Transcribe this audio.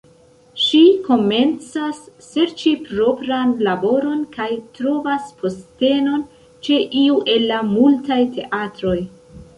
Ŝi komencas serĉi propran laboron kaj trovas postenon ĉe iu el la multaj teatroj.